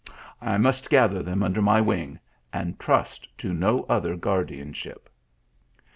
I must gather them under my wing, and trust to no other guardianship.